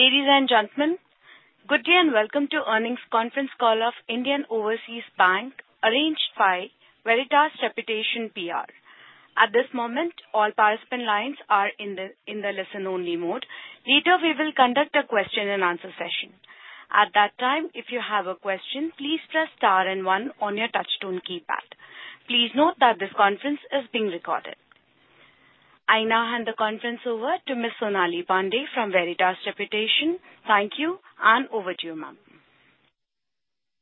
Ladies and gentlemen, good day and welcome to the earnings conference call of Indian Overseas Bank, arranged by Veritas Reputation PR. At this moment, all participant lines are in the listen-only mode. Later, we will conduct a question-and-answer session. At that time, if you have a question, please press star and one on your touchtone keypad. Please note that this conference is being recorded. I now hand the conference over to Ms. Sonali Pandey from Veritas Reputation. Thank you, and over to you, ma'am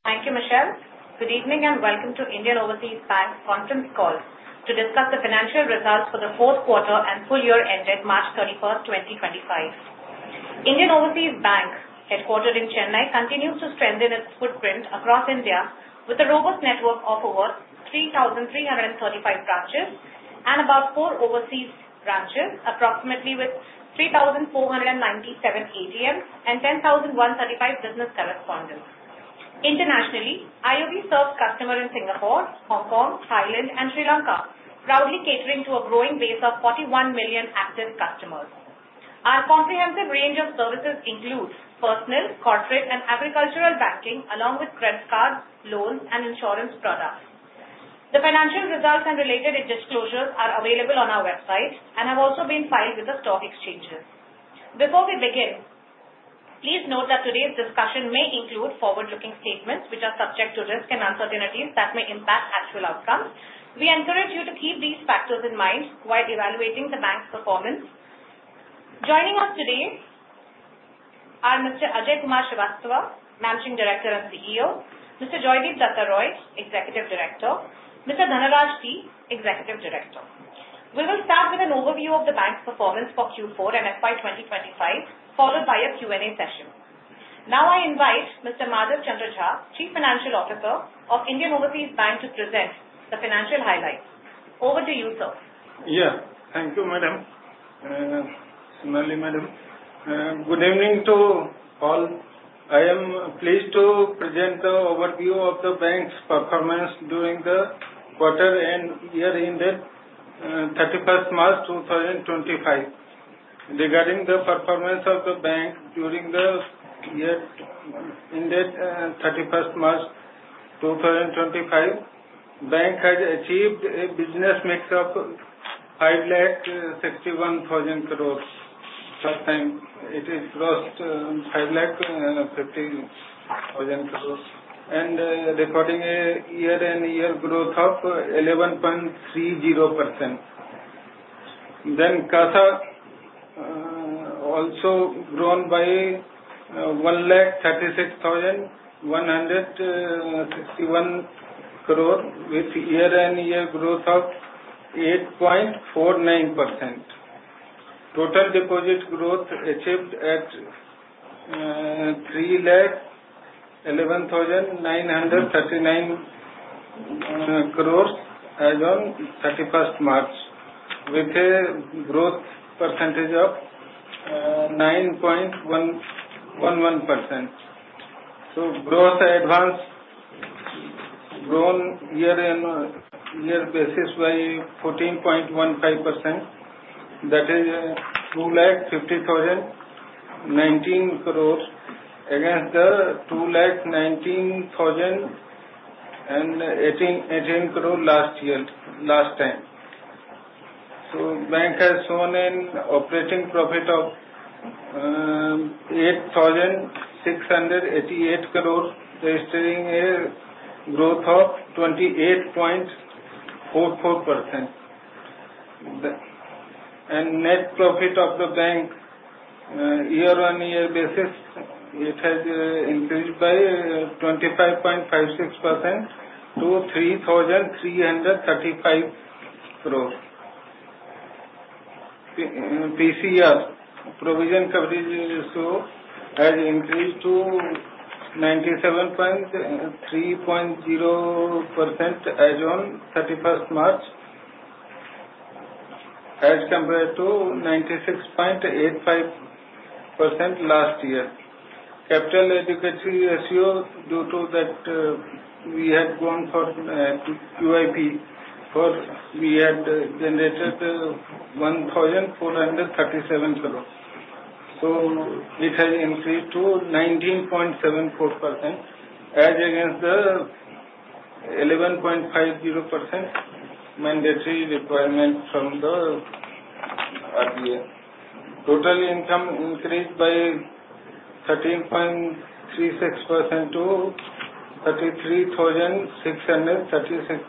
Thank you, Michelle. Good evening and welcome to the Indian Overseas Bank's conference call to discuss the financial results for the fourth quarter and full year end date March 31st, 2025. Indian Overseas Bank, headquartered in Chennai, continues to strengthen its footprint across India with a robust network of over 3,335 branches and about four overseas branches, approximately 3,497 ATMs and 10,135 business correspondents. Internationally, IOB serves customers in Singapore, Hong Kong, Thailand, and Sri Lanka, proudly catering to a growing base of 41 million active customers. Our comprehensive range of services includes personal, corporate, and agricultural banking, along with credit cards, loans, and insurance products. The financial results and related disclosures are available on our website and have also been filed with the stock exchanges. Before we begin, please note that today's discussion may include forward-looking statements, which are subject to risks and uncertainties that may impact actual outcomes. We encourage you to keep these factors in mind while evaluating the bank's performance. Joining us today are Mr. Ajay Kumar Srivastava, Managing Director and CEO, Mr. Joydeep Dutta Roy, Executive Director, and Mr. Dhanaraj T, Executive Director. We will start with an overview of the bank's performance for Q4 and FY 2025, followed by a Q&A session. Now, I invite Mr. Madhaw Chandra Jha, Chief Financial Officer of Indian Overseas Bank, to present the financial highlights. Over to you, sir. Yeah, thank you, Madam. Sonali Madam, good evening to all. I am pleased to present the overview of the bank's performance during the quarter and year-end date 31st March 2025. Regarding the performance of the bank during the year-end date 31st March 2025, the bank has achieved a business mix of 561,000 crores. First time, it has crossed 550,000 crores and recording a year-on-year growth of 11.30%. Then CASA also grown by 136,161 crore, with year-on-year growth of 8.49%. Total deposit growth achieved at 311,939 crores as of 31st March, with a growth percentage of 9.11%. Growth advance grown year-on-year basis by 14.15%. That is 250,019 crores against the 219,018 crores last year, last time. The bank has shown an operating profit of 8,688 crores, registering a growth of 28.44%. Net profit of the bank, year-on-year basis, it has increased by 25.56% to INR 3,335 crores. PCR provision coverage ratio has increased to 97.30% as of 31st March, as compared to 96.85% last year. Capital Adequacy Ratio, due to that we had gone for QIP, we had generated 1,437 crores. So it has increased to 19.74% as against the 11.50% mandatory requirement from the RBI. Total income increased by 13.36% to INR 33,636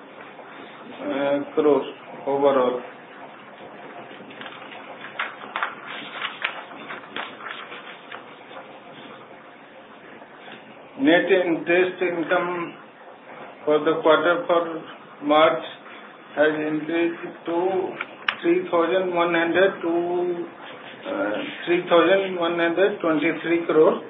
crores overall. Net interest income for the quarter for March has increased to 3,100 to 3,123 crores,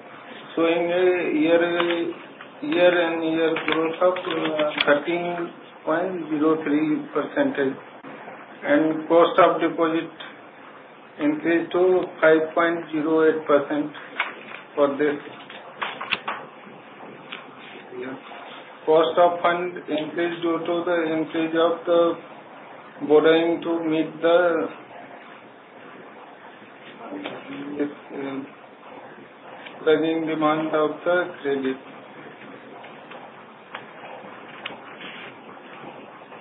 showing a year-on-year growth of 13.03%. Cost of deposits increased to 5.08% for this. Cost of funds increased due to the increase of the borrowing to meet the lending demand of the credit.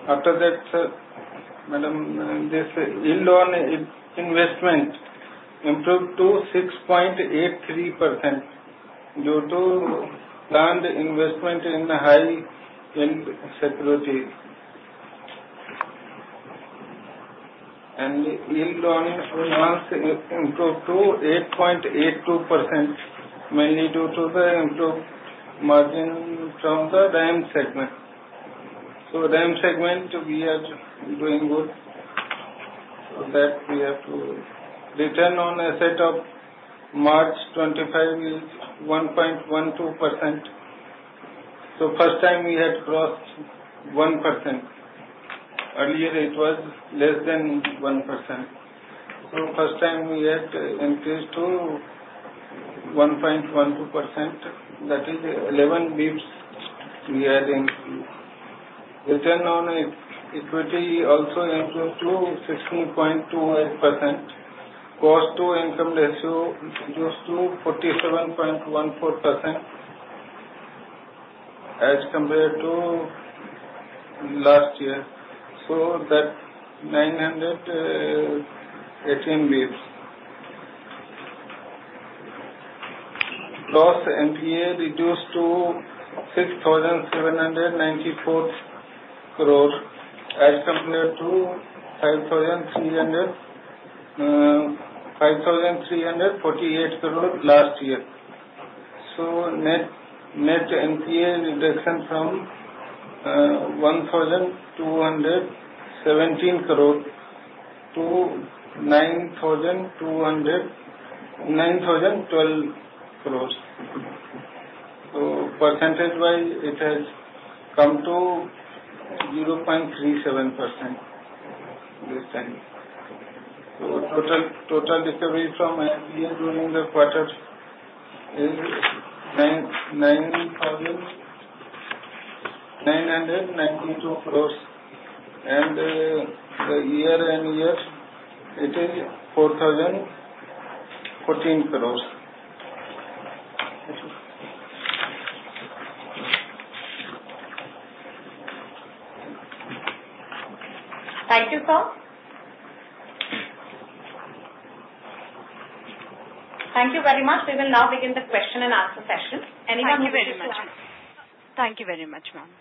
After that, Madam, this yield on investment improved to 6.83% due to planned investment in high-yield securities. Yield on advances improved to 8.82%, mainly due to the improved margin from the RAM segment. RAM segment, we are doing good. So, the return on assets of March 2025 is 1.12%. First time we had crossed 1%. Earlier, it was less than 1%. First time we had increased to 1.12%. That is 11 basis points we had increased. Return on Equity also improved to 16.28%. Cost-to-Income Ratio reduced to 47.14% as compared to last year. So that 918 basis points. Gross NPA reduced to 6,794 crores as compared to 5,348 crores last year. So Net NPA reduction from 1,217 crores to 9,912 crores. So percentage-wise, it has come to 0.37% this time. So total recovery from NPA during the quarter is 9,992 crores. And the entire year, it is 4,014 crores. Thank you, sir. Thank you very much. We will now begin the question-and-answer session. Anyone wishes to? Thank you very much. Thank you very much, ma'am,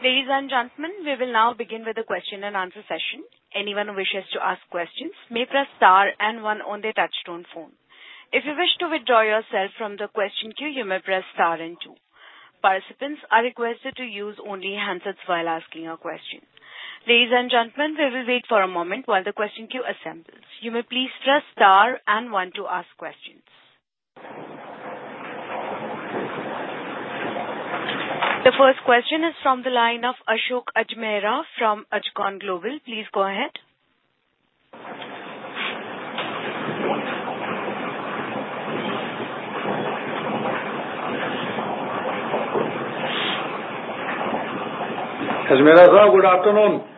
Ladies and gentlemen, we will now begin with the question-and-answer session. Anyone who wishes to ask questions may press star and one on their touchtone phone. If you wish to withdraw yourself from the question queue, you may press star and two. Participants are requested to use only handsets while asking a question. Ladies and gentlemen, we will wait for a moment while the question queue assembles. You may please press star and one to ask questions. The first question is from the line of Ashok Ajmera from Ajcon Global. Please go ahead. Ajmera, sir. Good afternoon.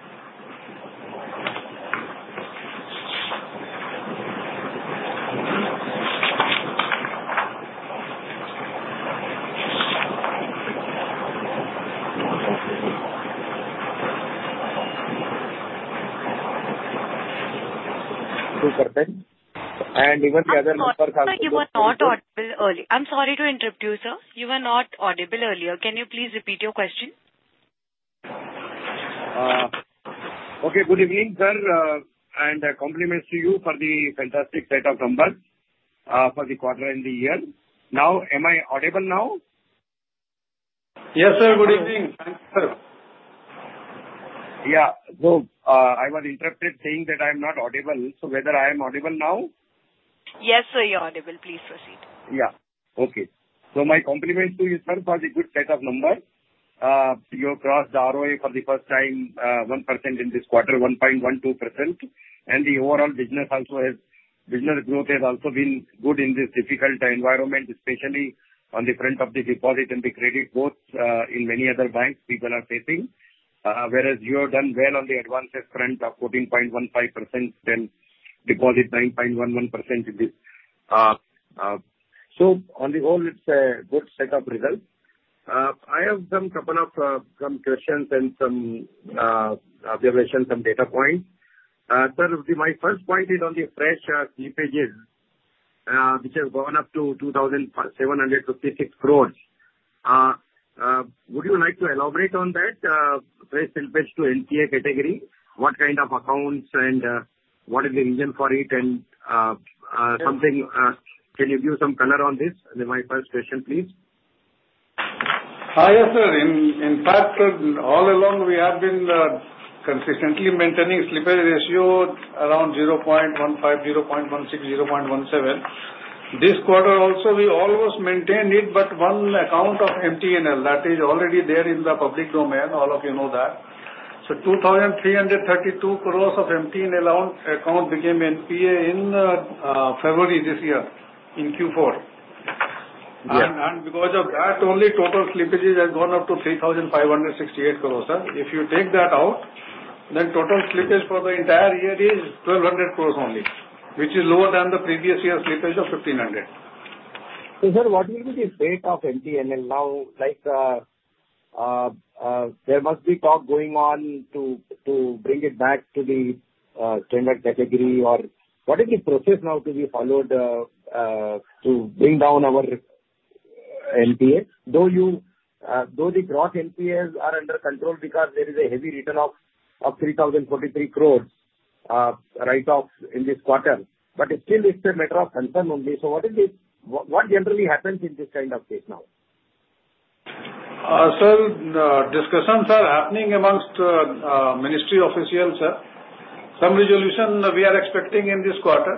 Even the other numbers are. I'm sorry you were not audible earlier. I'm sorry to interrupt you, sir. You were not audible earlier. Can you please repeat your question? Okay. Good evening, sir. And compliments to you for the fantastic set of numbers for the quarter and the year. Now, am I audible now? Yes, sir. Good evening. Thank you, sir. Yeah. So I was interrupted saying that I am not audible. So, whether I am audible now? Yes, sir, you're audible. Please proceed. Yeah. Okay. So my compliments to you, sir, for the good set of numbers. You crossed the ROA for the first time, 1% in this quarter, 1.12%. And the overall business also has business growth has also been good in this difficult environment, especially on the front of the deposit and the credit growth in many other banks people are facing. Whereas you have done well on the advance front of 14.15% and deposit 9.11% in this. So on the whole, it's a good set of results. I have some couple of questions and some observations, some data points. Sir, my first point is on the fresh slippages, which have gone up to 2,756 crores. Would you like to elaborate on that, fresh slippage to NPA category? What kind of accounts and what is the reason for it? And can you give some color on this? My first question, please. Yes, sir. In fact, all along, we have been consistently maintaining slippage ratio around 0.15, 0.16, 0.17. This quarter also, we almost maintained it, but one account of MTNL that is already there in the public domain. All of you know that. So 2,332 crores of MTNL account became NPA in February this year in Q4. And because of that, only total slippage has gone up to 3,568 crores, sir. If you take that out, then total slippage for the entire year is 1,200 crores only, which is lower than the previous year's slippage of 1,500. Sir, what will be the fate of MTNL now? There must be talk going on to bring it back to the standard category. What is the process now to be followed to bring down our NPA? Though the broad NPAs are under control because there is a heavy write-off of 3,043 crores in this quarter, but still, it's a matter of concern only. So what generally happens in this kind of case now? Sir, discussions, sir, happening among ministry officials, sir. Some resolution we are expecting in this quarter,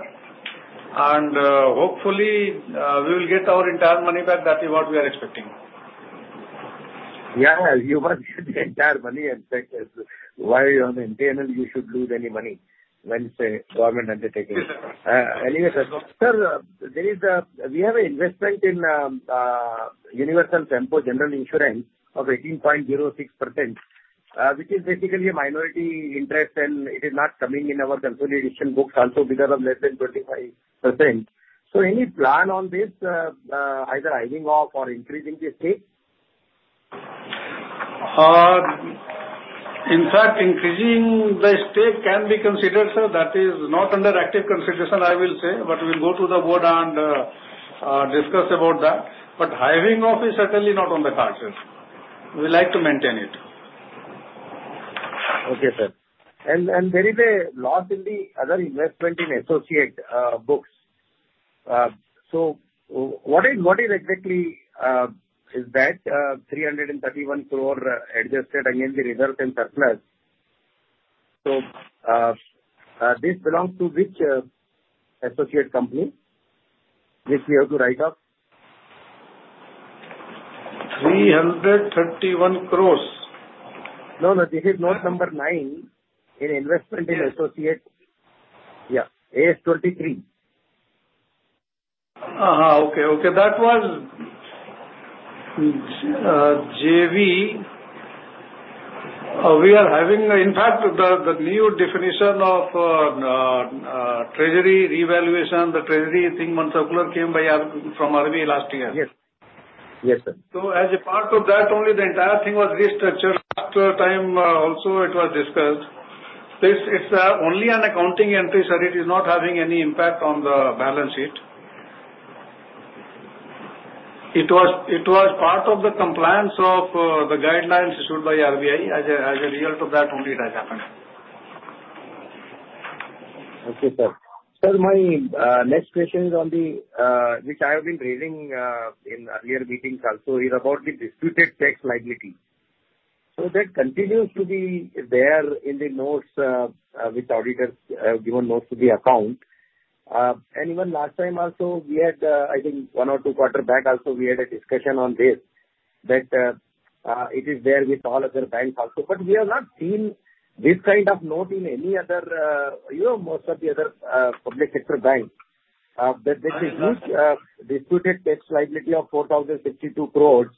and hopefully, we will get our entire money back. That is what we are expecting. Yeah. You must get the entire money and check why on MTNL you should lose any money when the government undertakes. Anyway, sir, we have an investment in Universal Sompo General Insurance of 18.06%, which is basically a minority interest, and it is not coming in our consolidation books also because of less than 25%. So any plan on this, either writing off or increasing the stake? In fact, increasing the stake can be considered, sir. That is not under active consideration, I will say. But we'll go to the board and discuss about that. But hiving off is certainly not on the cards, sir. We like to maintain it. Okay, sir. And there is a loss in the other investment in associate books. So what exactly is that 331 crores adjusted against the reserves and surplus? So this belongs to which associate company? Which we have to write off? 331 crores. No, no. This is note number nine in investment in associate, yeah, AS 23. Okay. That was JV. We are having, in fact, the new definition of treasury revaluation. The treasury thing came from RBI last year. Yes. Yes, sir. So as a part of that, only the entire thing was restructured. Time also, it was discussed. It's only an accounting entry, sir. It is not having any impact on the balance sheet. It was part of the compliance of the guidelines issued by RBI. As a result of that, only it has happened. Okay, sir. Sir, my next question is on the which I have been raising in earlier meetings also. It's about the disputed tax liability. So that continues to be there in the notes which auditors have given notes to the account. And even last time also, we had, I think, one or two quarters back also, we had a discussion on this that it is there with all other banks also. But we have not seen this kind of note in any other most of the other public sector banks. There's a huge disputed tax liability of 4,062 crores.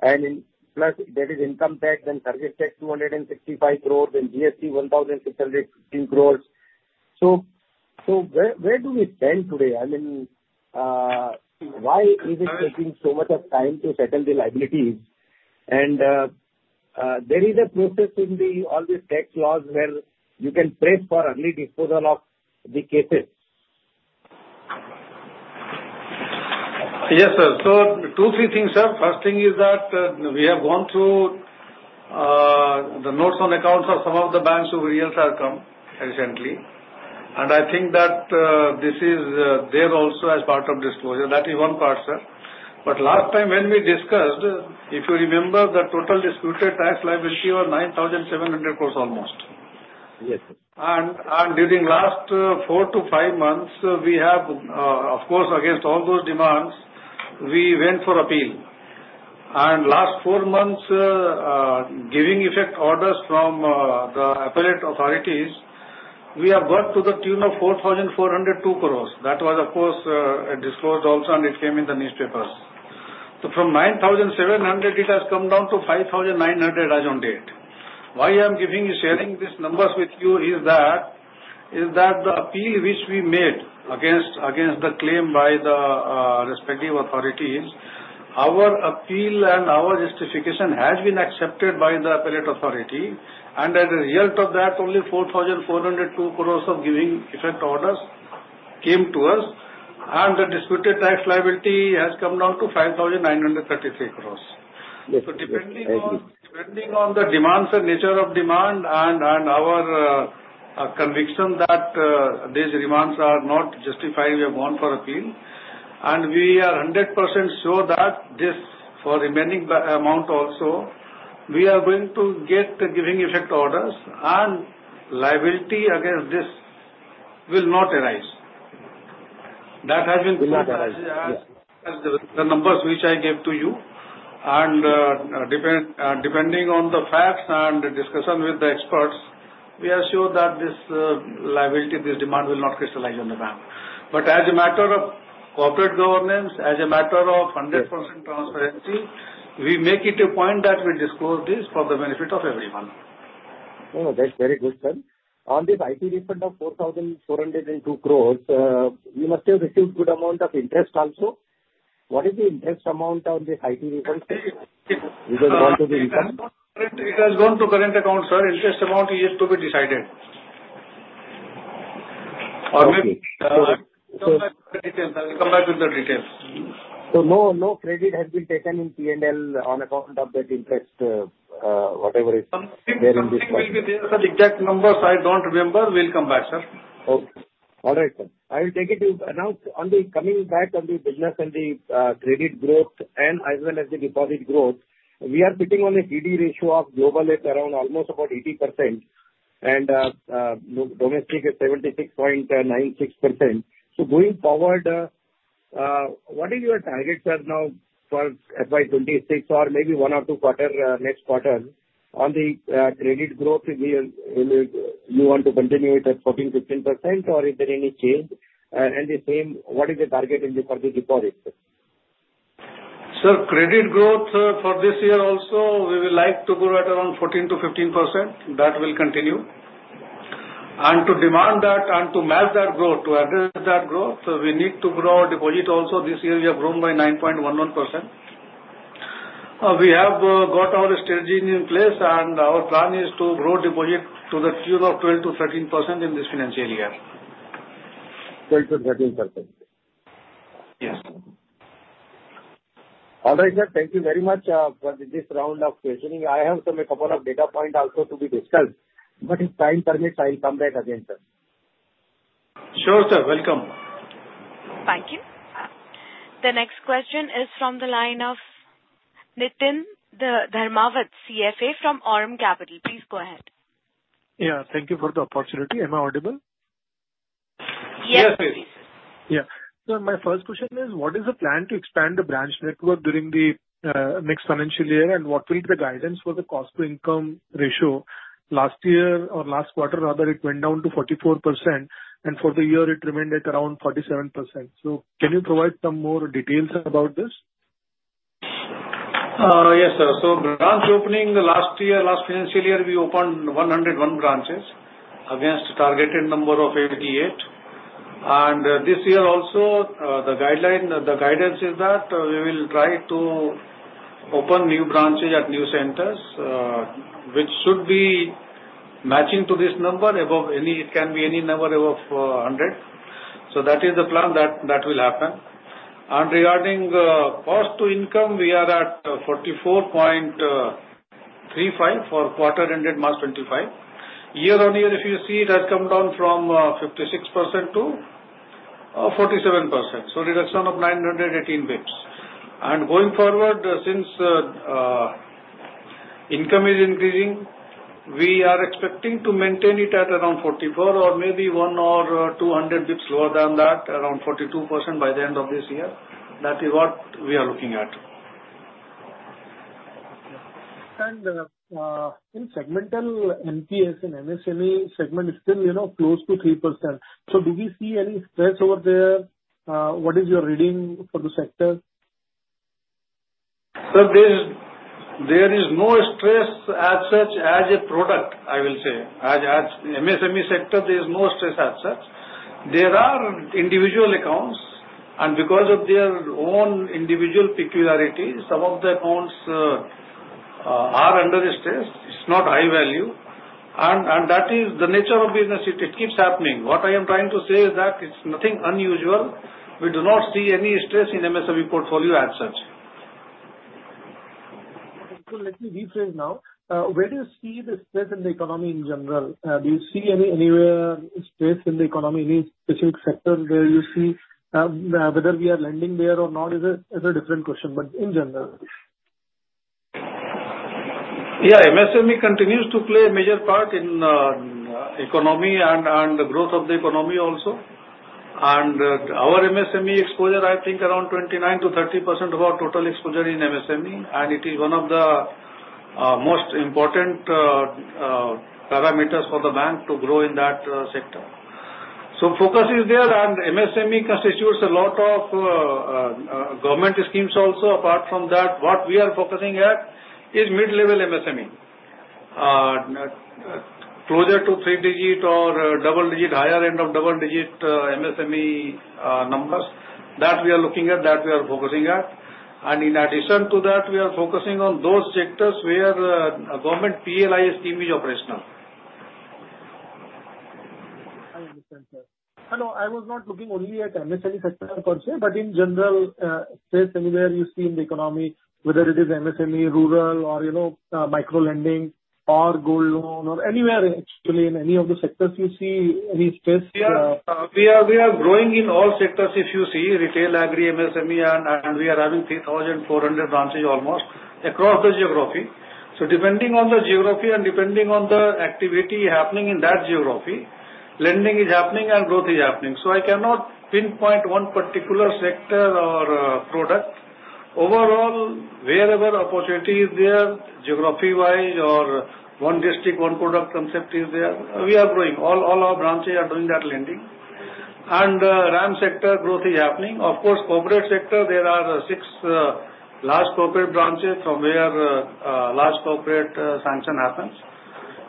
And plus, there is income tax and service tax 265 crores and GST 1,615 crores. So where do we stand today? I mean, why is it taking so much of time to settle the liabilities? There is a process in all these tax laws where you can press for early disposal of the cases. Yes, sir. So two, three things, sir. First thing is that we have gone through the notes on accounts of some of the banks who really have come recently. And I think that this is there also as part of disclosure. That is one part, sir. But last time when we discussed, if you remember, the total disputed tax liability was 9,700 crores almost. Yes, sir. And during the last four to five months, we have, of course, against all those demands, we went for appeal. And in the last four months, giving effect orders from the appellate authorities, we have got to the tune of 4,402 crores. That was, of course, disclosed also, and it came in the newspapers. So from 9,700, it has come down to 5,900 as of date. Why I am sharing these numbers with you is that the appeal which we made against the claim by the respective authorities, our appeal and our justification has been accepted by the appellate authority. And as a result of that, only 4,402 crores of giving effect orders came to us. And the disputed tax liability has come down to 5,933 crores. So depending on the demands and nature of demand and our conviction that these demands are not justified, we have gone for appeal. And we are 100% sure that this remaining amount also, we are going to get the giving effect orders, and liability against this will not arise. That has been clarified as the numbers which I gave to you. And depending on the facts and discussion with the experts, we are sure that this liability, this demand will not crystallize on the bank. But as a matter of corporate governance, as a matter of 100% transparency, we make it a point that we disclose this for the benefit of everyone. Oh, that's very good, sir. On this IT refund of 4,402 crores, you must have received a good amount of interest also. What is the interest amount on this IT refund? It has gone to the account? It has gone to current account, sir. Interest amount is yet to be decided. Okay. Or maybe. So let's go back to the details, sir. We'll come back to the details. No credit has been taken in P&L on account of that interest, whatever. Sir, the interest payment will be there, sir. Exact numbers, I don't remember. We'll come back, sir. Okay. All right, sir. I will take it. On the coming back on the business and the credit growth and as well as the deposit growth, we are sitting on a CD ratio of Global at around almost about 80%. And domestic is 76.96%. So going forward, what is your target, sir, now for FY 2026 or maybe one or two quarters, next quarter? On the credit growth, you want to continue it at 14%-15%, or is there any change? And the same, what is the target for the deposit? Sir, credit growth for this year also, we would like to grow at around 14%-15%. That will continue. And to demand that and to match that growth, to address that growth, we need to grow our deposit also. This year, we have grown by 9.11%. We have got our strategy in place, and our plan is to grow deposit to the tune of 12%-13% in this financial year. 12%-13%. Yes. All right, sir. Thank you very much for this round of questioning. I have some couple of data points also to be discussed. But if time permits, I'll come back again, sir. Sure, sir. Welcome. Thank you. The next question is from the line of Niteen Dharmawat, CFA from Aurum Capital. Please go ahead. Yeah. Thank you for the opportunity. Am I audible? Yes, sir. Yes, please. Yeah. So my first question is, what is the plan to expand the branch network during the next financial year? And what will be the guidance for the cost-to-income ratio? Last year or last quarter, rather, it went down to 44%. And for the year, it remained at around 47%. So can you provide some more details about this? Yes, sir. So branch opening last year, last financial year, we opened 101 branches against a targeted number of 88. And this year also, the guidance is that we will try to open new branches at new centers, which should be matching to this number above any. It can be any number above 100. So that is the plan that will happen. And regarding cost-to-income, we are at 44.35% for quarter-ended March 2025. Year on year, if you see, it has come down from 56% to 47%. So reduction of 918 basis points. And going forward, since income is increasing, we are expecting to maintain it at around 44% or maybe 1% or 200 basis points lower than that, around 42% by the end of this year. That is what we are looking at. In segmental NPAs and MSME segment, it's still close to 3%. So do we see any stress over there? What is your reading for the sector? Sir, there is no stress as such as a product, I will say. As MSME sector, there is no stress as such. There are individual accounts. And because of their own individual peculiarity, some of the accounts are under stress. It's not high value. And that is the nature of business. It keeps happening. What I am trying to say is that it's nothing unusual. We do not see any stress in MSME portfolio as such. Let me rephrase now. Where do you see the stress in the economy in general? Do you see anywhere stress in the economy, any specific sector where you see whether we are lending there or not? It's a different question. But in general. Yeah. MSME continues to play a major part in the economy and the growth of the economy also. And our MSME exposure, I think, around 29%-30% of our total exposure in MSME. And it is one of the most important parameters for the bank to grow in that sector. So focus is there. And MSME constitutes a lot of government schemes also. Apart from that, what we are focusing at is mid-level MSME, closer to three-digit or double-digit, higher end of double-digit MSME numbers. That we are looking at. That we are focusing at. And in addition to that, we are focusing on those sectors where a government PLI scheme is operational. I understand, sir. Hello. I was not looking only at MSME sector, but in general, stress anywhere you see in the economy, whether it is MSME, rural, or micro-lending, or gold loan, or anywhere, actually, in any of the sectors you see any stress? Yeah. We are growing in all sectors, if you see, retail, agri, MSME, and we are having 3,400 branches almost across the geography. So depending on the geography and depending on the activity happening in that geography, lending is happening and growth is happening. So I cannot pinpoint one particular sector or product. Overall, wherever opportunity is there, geography-wise or one district, one product concept is there, we are growing. All our branches are doing that lending. And RAM sector growth is happening. Of course, corporate sector, there are six large corporate branches from where large corporate sanction happens.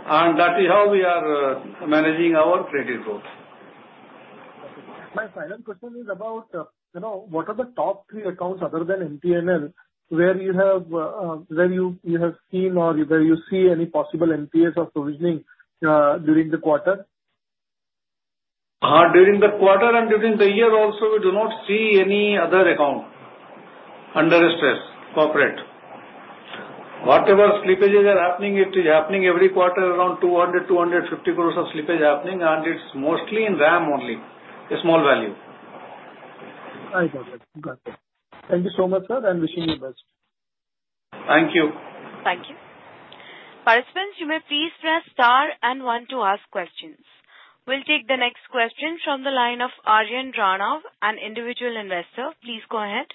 And that is how we are managing our credit growth. My final question is about what are the top three accounts other than MTNL where you have seen or where you see any possible MTS of provisioning during the quarter? During the quarter and during the year also, we do not see any other account under stress, corporate. Whatever slippages are happening, it is happening every quarter around 200 crores-250 crores of slippage happening. And it's mostly in RAM only, small value. I got it. Got it. Thank you so much, sir, and wishing you the best. Thank you. Thank you. Participants, you may please press star and one to ask questions. We'll take the next question from the line of Aryan Dharnav, an individual investor. Please go ahead.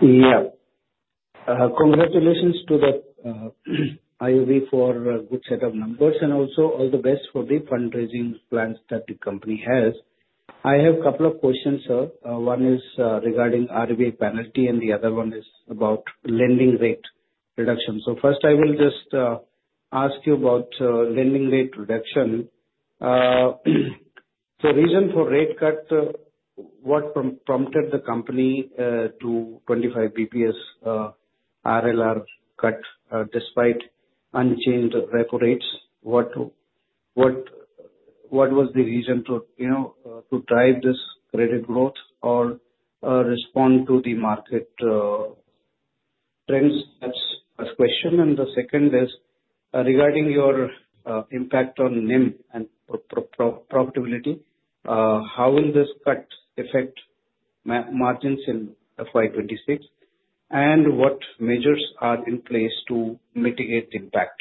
Yeah. Congratulations to the IOB for a good set of numbers and also all the best for the fundraising plans that the company has. I have a couple of questions, sir. One is regarding RBI penalty, and the other one is about lending rate reduction. So first, I will just ask you about lending rate reduction. The reason for rate cut, what prompted the company to 25 basis points RLR cut despite unchanged repo rates? What was the reason to drive this credit growth or respond to the market trends? That's the first question. And the second is regarding your impact on NIM and profitability. How will this cut affect margins in FY 2026? And what measures are in place to mitigate the impact?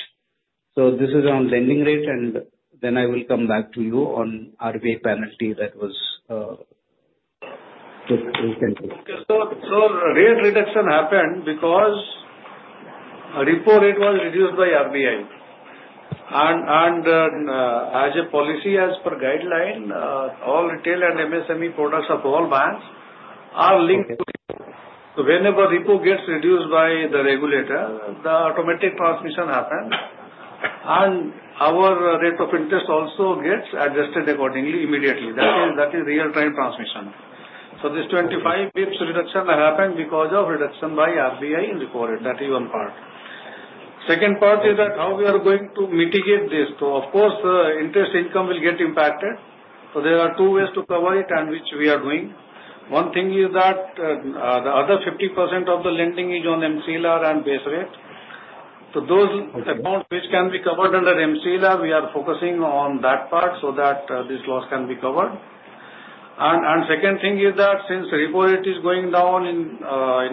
So this is on lending rate, and then I will come back to you on RBI penalty that was taken. So rate reduction happened because repo rate was reduced by RBI. And as a policy, as per guideline, all retail and MSME products of all banks are linked to. So whenever repo gets reduced by the regulator, the automatic transmission happens. And our rate of interest also gets adjusted accordingly immediately. That is real-time transmission. So this 25 basis points reduction happened because of reduction by RBI in repo rate. That is one part. Second part is that how we are going to mitigate this. So of course, interest income will get impacted. So there are two ways to cover it and which we are doing. One thing is that the other 50% of the lending is on MCLR and base rate. So those accounts which can be covered under MCLR, we are focusing on that part so that this loss can be covered. The second thing is that since repo rate is going down and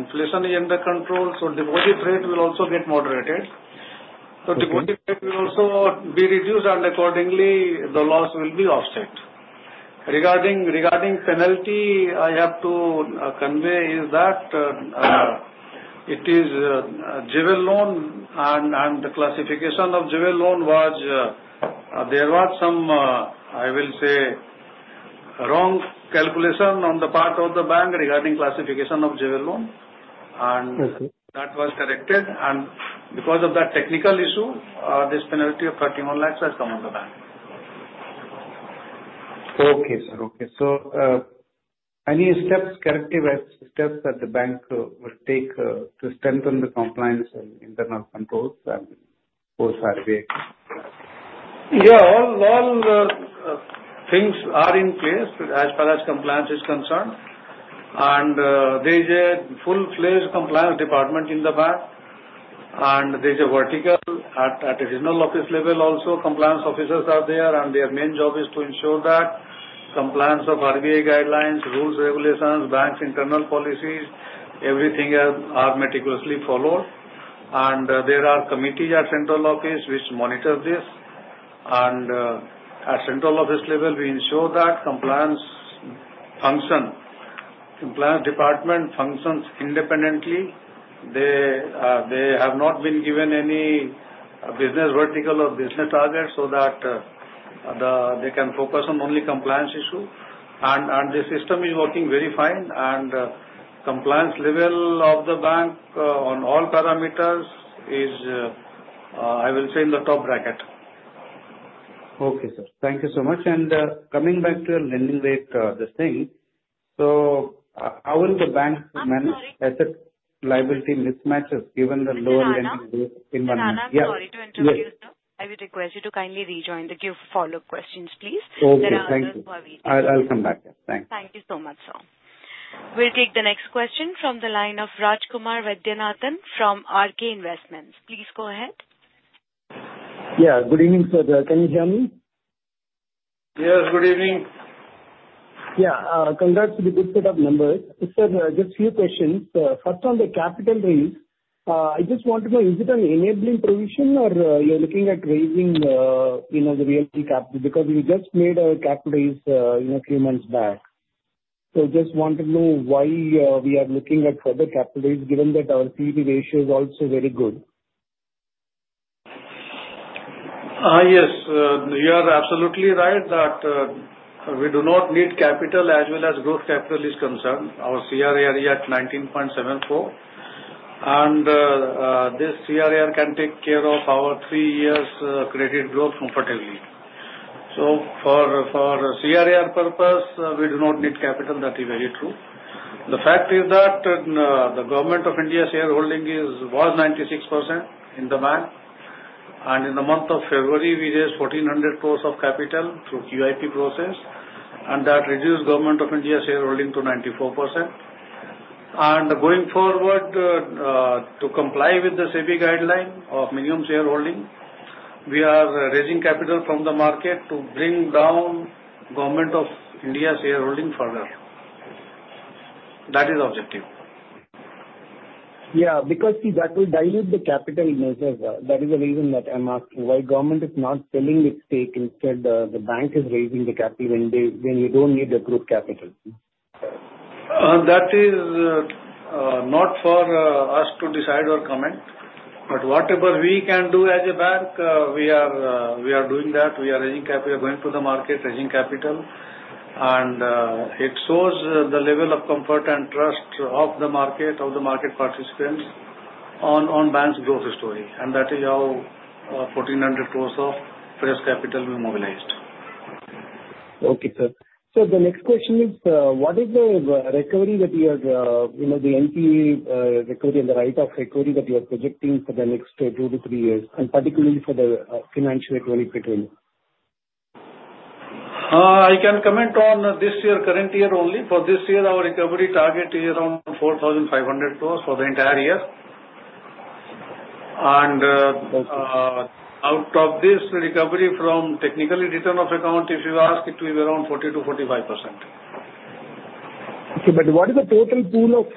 inflation is under control, so deposit rate will also get moderated. So deposit rate will also be reduced, and accordingly, the loss will be offset. Regarding penalty, I have to convey is that it is a jewel loan, and the classification of jewel loan was there were some, I will say, wrong calculation on the part of the bank regarding classification of jewel loan. And that was corrected. And because of that technical issue, this penalty of 31 lakhs has come on the bank. Okay, sir. Any steps, corrective steps that the bank will take to strengthen the compliance and internal controls for RBI? Yeah. All things are in place as far as compliance is concerned. And there is a full-fledged compliance department in the bank. And there is a vertical at the regional office level also. Compliance officers are there, and their main job is to ensure that compliance with RBI guidelines, rules, regulations, bank's internal policies, everything are meticulously followed. And there are committees at central office which monitor this. And at central office level, we ensure that compliance function, compliance department functions independently. They have not been given any business vertical or business target so that they can focus on only compliance issue. And the system is working very fine. And compliance level of the bank on all parameters is, I will say, in the top bracket. Okay, sir. Thank you so much. And coming back to your lending rate, the thing. So how will the bank manage asset liability mismatches given the lower lending rate in one year? No, no. Sorry to interrupt you, sir. I will request you to kindly rejoin the follow-up questions, please. Okay. Thank you. I'll come back. Thanks. Thank you so much, sir. We'll take the next question from the line of Rajkumar Vaidyanathan from RK Investments. Please go ahead Yeah. Good evening, sir. Can you hear me? Yes. Good evening. Yeah. Congrats to the good set of numbers. Sir, just a few questions. First on the capital raise, I just want to know, is it an enabling provision or you're looking at raising the real capital? Because we just made a capital raise a few months back. So just want to know why we are looking at further capital raise given that our CAR ratio is also very good. Yes. You are absolutely right that we do not need capital as well as growth capital is concerned. Our CRAR is at 19.74%, and this CRAR can take care of our three years' credit growth comfortably. So for CRAR purpose, we do not need capital. That is very true. The fact is that the Government of India's shareholding was 96% in the bank, and in the month of February, we raised 1,400 crores of capital through QIP process. And that reduced Government of India's shareholding to 94%, and going forward, to comply with the SEBI guideline of minimum shareholding, we are raising capital from the market to bring down Government of India's shareholding further. That is the objective. Yeah. Because that will dilute the capital measure. That is the reason that I'm asking why Government is not selling its stake. Instead, the bank is raising the capital when you don't need the group capital. That is not for us to decide or comment. But whatever we can do as a bank, we are doing that. We are raising capital, going to the market, raising capital. And it shows the level of comfort and trust of the market, of the market participants on bank's growth story. And that is how 1,400 crores of fresh capital we mobilized. Okay, sir. So the next question is, what is the recovery that you have, the NPA recovery and the write-off recovery that you are projecting for the next two to three years, and particularly for the financial recovery for 2020? I can comment on this year, current year only. For this year, our recovery target is around 4,500 crores for the entire year, and out of this recovery from technical write-off of accounts, if you ask, it will be around 40%-45%. Okay. But what is the total pool of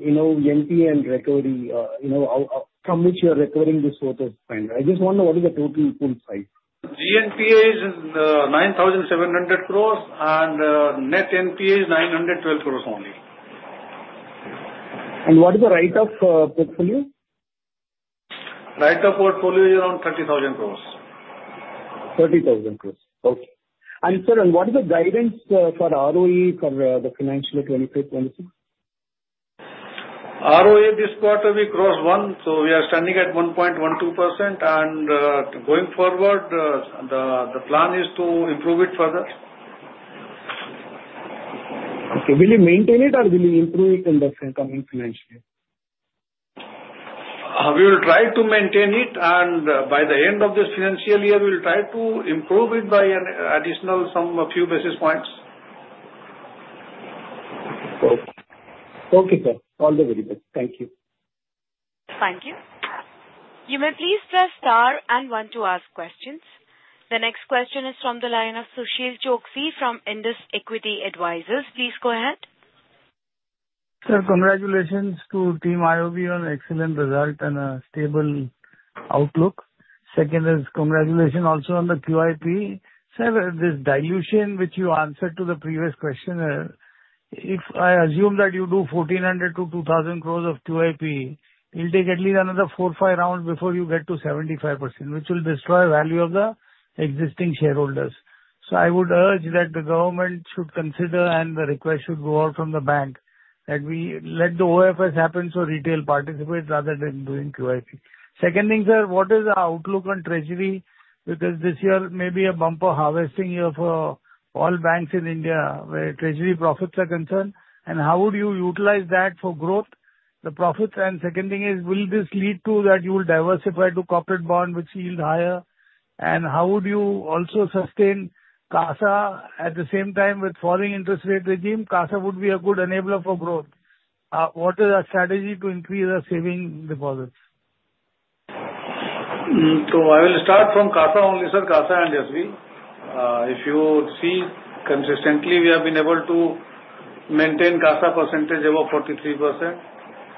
NPA and recovery from which you are recovering this total fund? I just want to know what is the total pool size. GNPA is 9,700 crores, and net NPA is 912 crores only. What is the write-off of portfolio? Retail portfolio is around 30,000 crores. 30,000 crores. Okay. And sir, what is the guidance for ROE for the financial year 2025-2026? ROE this quarter will cross one. So we are standing at 1.12%. And going forward, the plan is to improve it further. Okay. Will you maintain it, or will you improve it in the coming financial year? We will try to maintain it. And by the end of this financial year, we will try to improve it by additional a few basis points. Okay. Okay, sir. All the very best. Thank you. Thank you. You may please press star and one to ask questions. The next question is from the line of Sushil Choksey from Indus Equity Advisors. Please go ahead. Sir, congratulations to Team IOB on excellent result and a stable outlook. Second is congratulations also on the QIP. Sir, this dilution which you answered to the previous question, if I assume that you do 1,400 crores-2,000 crores of QIP, it will take at least another four, five rounds before you get to 75%, which will destroy the value of the existing shareholders. So I would urge that the government should consider and the request should go out from the bank that we let the OFS happen so retail participates rather than doing QIP. Second thing, sir, what is the outlook on treasury? Because this year may be a bumper harvesting year for all banks in India where treasury profits are concerned. And how would you utilize that for growth, the profits? Second thing is, will this lead to that you will diversify to corporate bonds, which yield higher? How would you also sustain CASA at the same time with falling interest rate regime? CASA would be a good enabler for growth. What is our strategy to increase our savings deposits? I will start from CASA only, sir. CASA and SB. If you see, consistently, we have been able to maintain CASA percentage above 43%.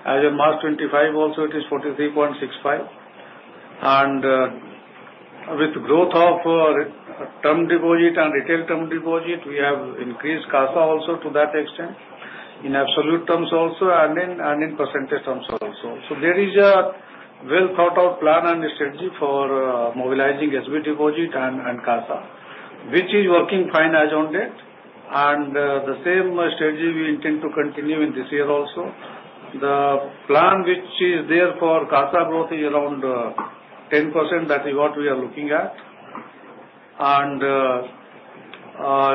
As of March 25, also, it is 43.65%. With growth of term deposit and retail term deposit, we have increased CASA also to that extent in absolute terms also and in percentage terms also. There is a well-thought-out plan and strategy for mobilizing SB deposit and CASA, which is working fine as on date. The same strategy we intend to continue in this year also. The plan which is there for CASA growth is around 10%. That is what we are looking at.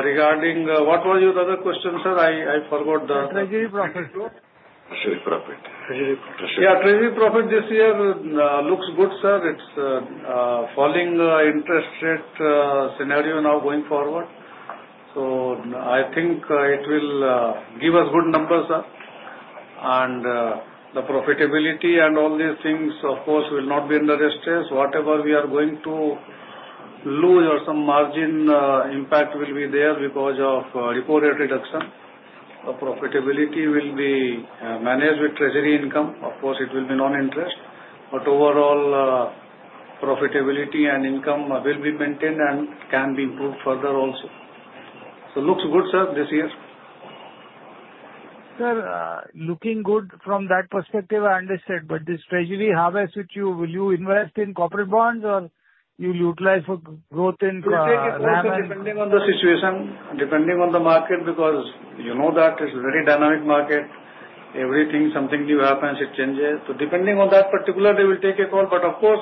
Regarding what was your other question, sir? I forgot the. Treasury profit. Treasury profit. Yeah. Treasury profit this year looks good, sir. It's a falling interest rate scenario now going forward. So I think it will give us good numbers, sir. And the profitability and all these things, of course, will not be under stress. Whatever we are going to lose or some margin impact will be there because of repo rate reduction. The profitability will be managed with treasury income. Of course, it will be non-interest. But overall, profitability and income will be maintained and can be improved further also. So looks good, sir, this year. Sir, looking good from that perspective, I understand. But this treasury harvest, will you invest in corporate bonds or you will utilize for growth in CASA? We will take a call depending on the situation, depending on the market, because you know that it's a very dynamic market. Everything, something new happens, it changes. So depending on that particular, they will take a call. But of course,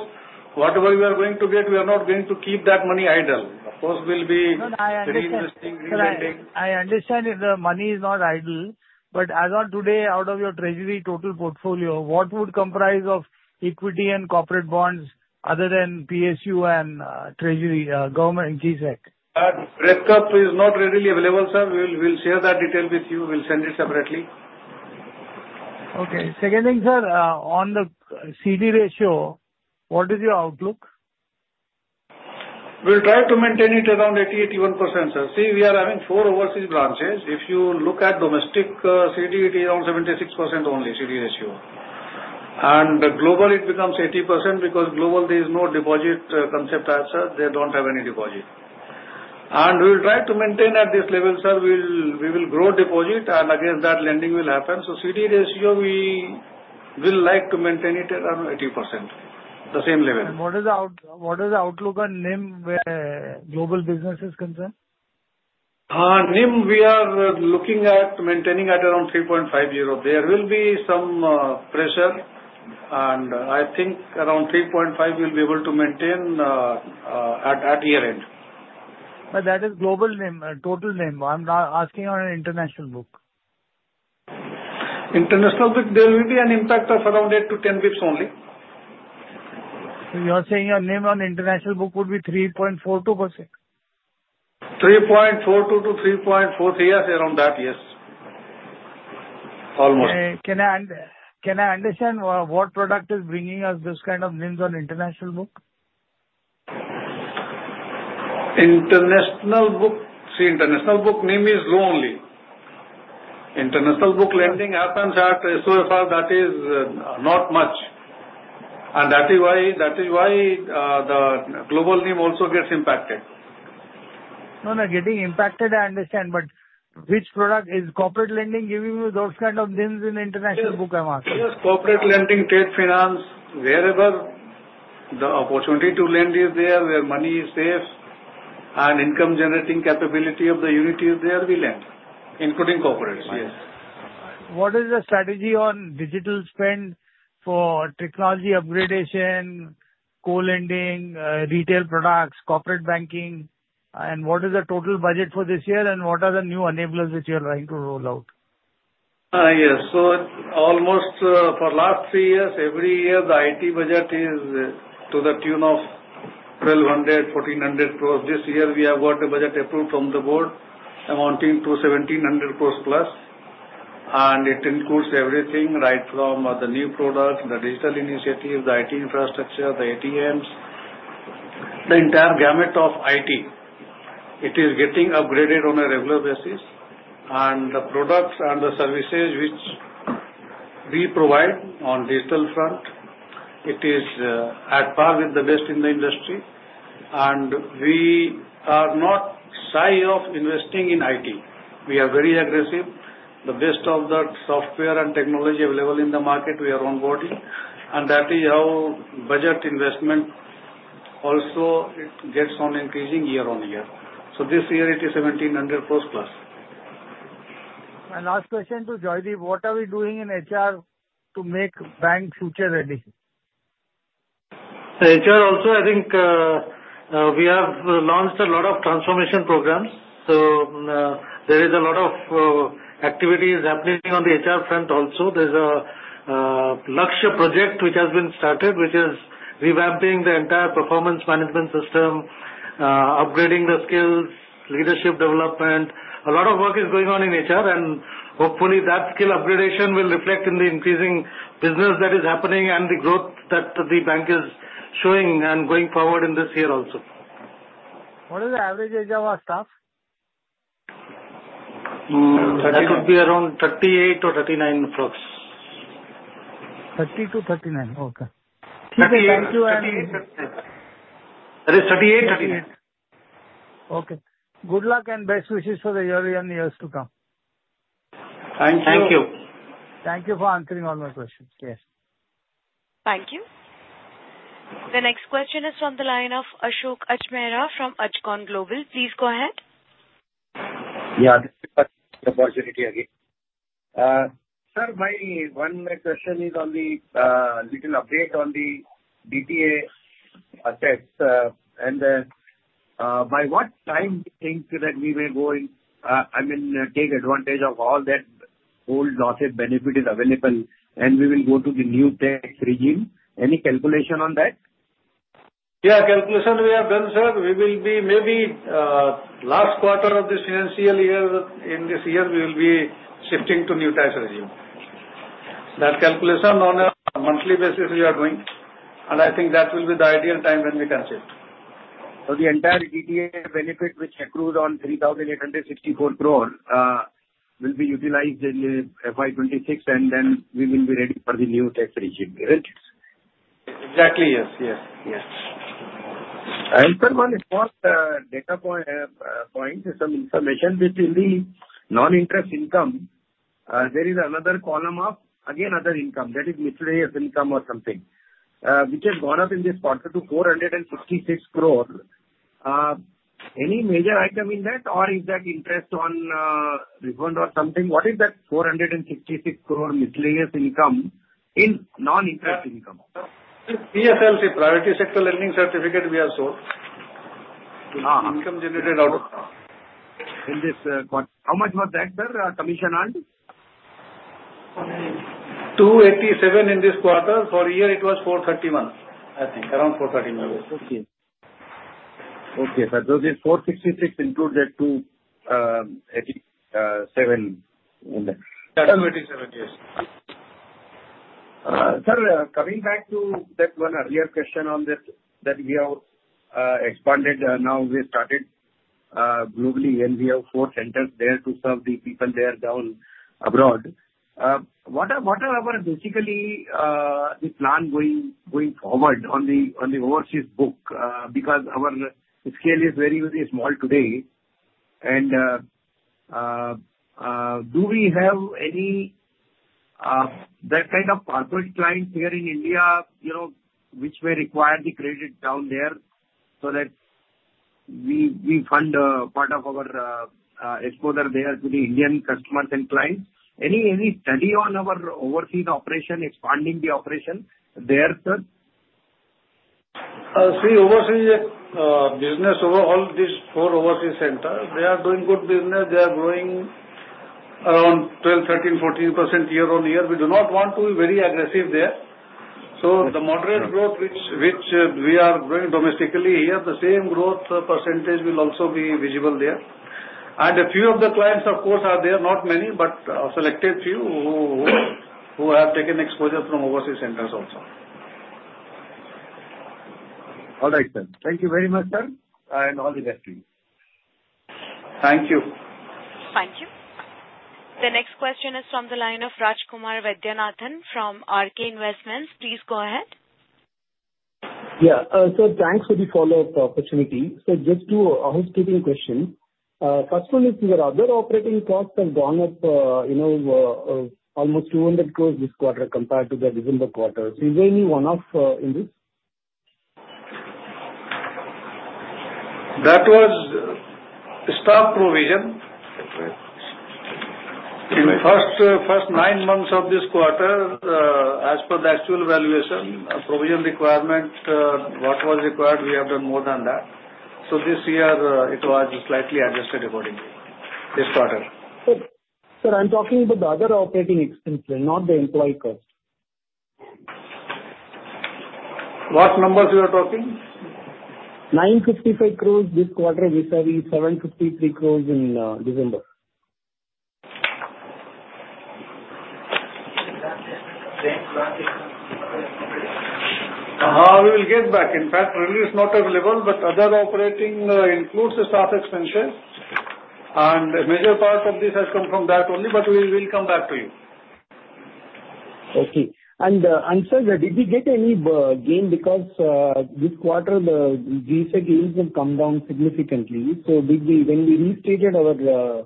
whatever we are going to get, we are not going to keep that money idle. Of course, we'll be very interested in retail. I understand if the money is not idle. But as of today, out of your treasury total portfolio, what would comprise of equity and corporate bonds other than PSU and Treasury Government GSEC? That breakup is not readily available, sir. We will share that detail with you. We'll send it separately. Okay. Second thing, sir, on the CD ratio, what is your outlook? We'll try to maintain it around 80%-81%, sir. See, we are having four overseas branches. If you look at domestic CD, it is around 76% only, CD ratio. And global, it becomes 80% because global, there is no deposit concept as such. They don't have any deposit. And we will try to maintain at this level, sir. We will grow deposit, and against that, lending will happen. So CD ratio, we will like to maintain it around 80%, the same level. What is the outlook on NIM global businesses concerned? NIM, we are looking at maintaining at around 3.50%. There will be some pressure. I think around 3.50%, we'll be able to maintain at year-end. But that is global NIM, total NIM. I'm asking on an international book. International book, there will be an impact of around 8-10 basis points only. So you are saying your NIM on international book would be 3.42%? 3.42 to 3.43, I say around that, yes. Almost. Can I understand what product is bringing us this kind of NIMs on international book? International book, see, international book NIM is low only. International book lending happens at SOFR, that is not much, and that is why the global NIM also gets impacted. No, no. Getting impacted, I understand. But which product is corporate lending giving you those kind of NIMs in international book? Yes. Corporate lending, trade finance, wherever the opportunity to lend is there, where money is safe, and income-generating capability of the unit is there, we lend, including corporates, yes. What is the strategy on digital spend for technology upgradation, co-lending, retail products, corporate banking? And what is the total budget for this year? And what are the new enablers which you are trying to roll out? Yes. So almost for the last three years, every year, the IT budget is to the tune of 1,200 crores-1,400 crores. This year, we have got a budget approved from the board amounting to 1,700 crores+. And it includes everything right from the new product, the digital initiative, the IT infrastructure, the ATMs, the entire gamut of IT. It is getting upgraded on a regular basis. And the products and the services which we provide on the digital front, it is at par with the best in the industry. And we are not shy of investing in IT. We are very aggressive. The best of the software and technology available in the market, we are onboarding. And that is how budget investment also gets on increasing year on year. So this year, it is 1,700 crores+. My last question to Joydeep. What are we doing in HR to make bank future-ready? HR also, I think we have launched a lot of transformation programs, so there is a lot of activities happening on the HR front also. There's a Lakshya project which has been started, which is revamping the entire performance management system, upgrading the skills, leadership development. A lot of work is going on in HR, and hopefully, that skill upgradation will reflect in the increasing business that is happening and the growth that the bank is showing and going forward in this year also. What is the average age of our staff? That would be around 38 or 39+. 30 to 39. Okay. 38, 38, 39. Okay. Good luck and best wishes for the year and years to come. Thank you. Thank you for answering all my questions. Yes. Thank you. The next question is from the line of Ashok Ajmera from Ajcon Global. Please go ahead. Yeah. This is the opportunity again. Sir, my one question is on the little update on the DTA assets, and by what time do you think that we will go in, I mean, take advantage of all that old native benefit is available, and we will go to the new tax regime? Any calculation on that? Yeah. Calculation we have done, sir. We will be maybe last quarter of this financial year, in this year, we will be shifting to new tax regime. That calculation on a monthly basis we are doing, and I think that will be the ideal time when we can shift. So the entire DTA benefit which accrues on 3,864 crores will be utilized in the FY 2026, and then we will be ready for the new tax regime. Isn't it? Exactly. Yes. Yes. Yes. I also want to post data point, some information within the non-interest income. There is another column of, again, other income. That is mutual income or something, which has gone up in this quarter to 466 crores. Any major item in that, or is that interest on refund or something? What is that 466 crores mutual income in non-interest income? PSLC, Priority Sector Lending Certificate, we have sold. Income generated out of. In this quarter. How much was that, sir? Commission earned? 287 in this quarter. For year, it was 431, I think. Around 431. Okay. Okay, sir. So this 466 includes that 287 in that. 287, yes. Sir, coming back to that one earlier question on that we have expanded now, we started globally, and we have four centers there to serve the people there down abroad. What are our basically the plan going forward on the overseas book? Because our scale is very, very small today. And do we have any that kind of corporate clients here in India which may require the credit down there so that we fund part of our exposure there to the Indian customers and clients? Any study on our overseas operation, expanding the operation there, sir? See, overseas business overall, these four overseas centers, they are doing good business. They are growing around 12%, 13%, 14% year on year. We do not want to be very aggressive there. So the moderate growth which we are growing domestically here, the same growth percentage will also be visible there. And a few of the clients, of course, are there, not many, but selected few who have taken exposure from overseas centers also. All right, sir. Thank you very much, sir, and all the best to you. Thank you. Thank you. The next question is from the line of Rajkumar Vaidyanathan from RK Investments. Please go ahead. Yeah. So thanks for the follow-up opportunity. So just two housekeeping questions. First one is, your other operating costs have gone up almost 200 crore this quarter compared to the December quarter. Is there any one-off in this? That was stock provision. In the first nine months of this quarter, as per the actual valuation, provision requirement, what was required, we have done more than that. So this year, it was slightly adjusted accordingly this quarter. Sir, I'm talking about the other operating expenses, not the employee cost. What numbers you are talking? 955 crores this quarter, which will be 753 crores in December. We will get back. In fact, really, it's not available, but other operating includes the staff expenses, and a major part of this has come from that only, but we will come back to you. Okay. And sir, did you get any gain? Because this quarter, we said yields have come down significantly. So when we restated our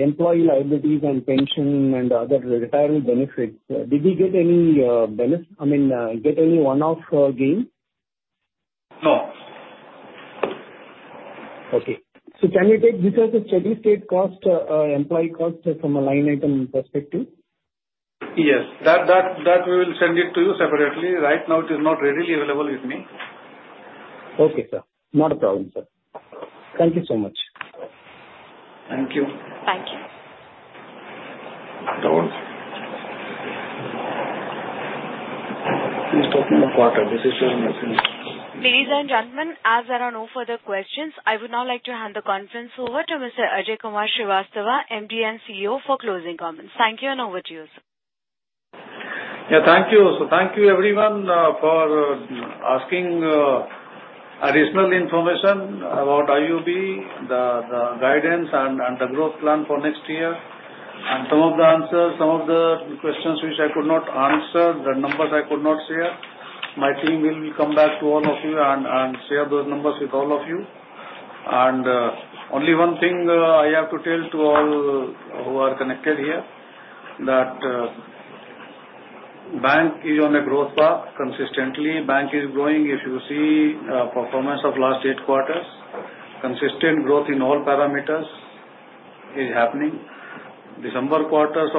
employee liabilities and pension and other retirement benefits, did you get any benefit? I mean, get any one-off gain? No. Okay, so can you take this as a steady-state cost, employee cost from a line item perspective? Yes. That we will send it to you separately. Right now, it is not readily available with me. Okay, sir. Not a problem, sir. Thank you so much. Thank you. Thank you. Please talk to me in a quarter. This is your message. Ladies and gentlemen, as there are no further questions, I would now like to hand the conference over to Mr. Ajay Kumar Srivastava, MD and CEO, for closing comments. Thank you, and over to you, sir. Yeah. Thank you. So thank you, everyone, for asking additional information about IOB, the guidance, and the growth plan for next year. And some of the answers, some of the questions which I could not answer, the numbers I could not share, my team will come back to all of you and share those numbers with all of you. And only one thing I have to tell to all who are connected here that bank is on a growth path consistently. Bank is growing. If you see performance of last eight quarters, consistent growth in all parameters is happening. December quarter's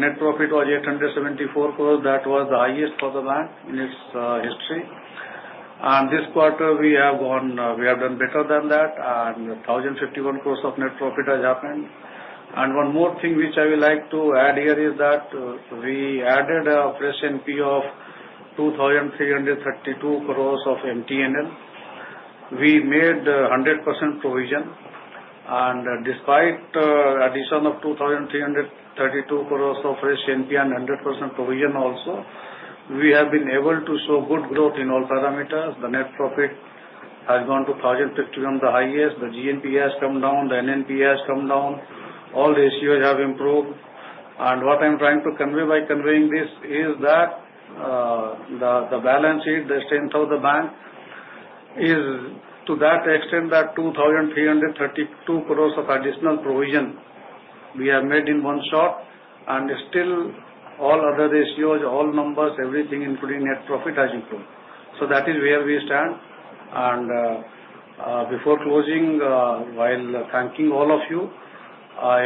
net profit was 874 crores. That was the highest for the bank in its history. And this quarter, we have done better than that. And 1,051 crores of net profit has happened. One more thing which I would like to add here is that we added a fresh NPA of 2,332 crores of MTNL. We made 100% provision. Despite the addition of 2,332 crores of fresh NPA and 100% provision also, we have been able to show good growth in all parameters. The net profit has gone to 1,051 crores, the highest. The GNPA has come down. The Net NPA has come down. All ratios have improved. What I'm trying to convey by conveying this is that the balance sheet, the strength of the bank is to that extent that 2,332 crores of additional provision we have made in one shot. Still, all other ratios, all numbers, everything, including net profit, has improved. That is where we stand. Before closing, while thanking all of you, I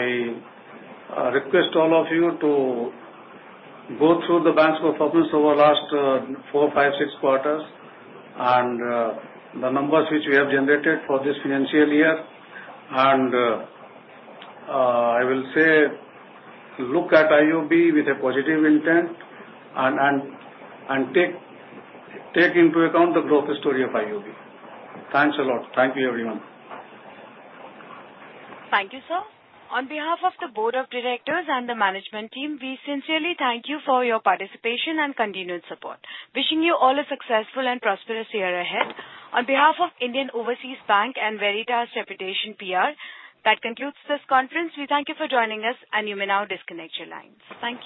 request all of you to go through the bank's performance over the last four, five, six quarters and the numbers which we have generated for this financial year. I will say, look at IOB with a positive intent and take into account the growth story of IOB. Thanks a lot. Thank you, everyone. Thank you, sir. On behalf of the Board of Directors and the Management Team, we sincerely thank you for your participation and continued support. Wishing you all a successful and prosperous year ahead. On behalf of Indian Overseas Bank and Veritas Reputation PR, that concludes this conference. We thank you for joining us, and you may now disconnect your lines. Thank you.